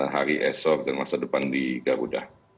hari esok dan masa depan di garuda